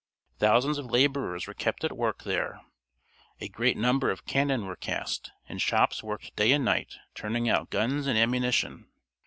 Thousands of laborers were kept at work there, a great number of cannon were cast, and shops worked day and night turning out guns and ammunition.